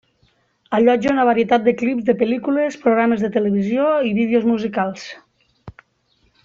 Allotja una varietat de clips de pel·lícules, programes de televisió i vídeos musicals.